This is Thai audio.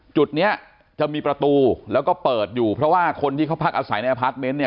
จุดเนี้ยจะมีประตูแล้วก็เปิดอยู่เพราะว่าคนที่เขาพักอาศัยในอพาร์ทเมนต์เนี่ย